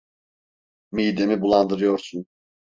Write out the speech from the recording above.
Midemi bulandırıyorsun.